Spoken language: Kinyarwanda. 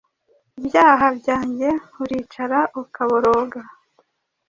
ibyaha byanjye uricara ukaboroga: